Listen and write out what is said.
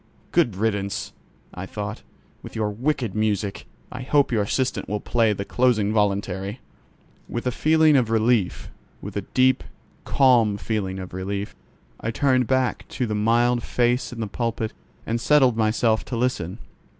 "Good riddance!" I thought, "with your wicked music! I hope your assistant will play the closing voluntary." With a feeling of relief—with a deep, calm feeling of relief, I turned back to the mild face in the pulpit and settled myself to listen.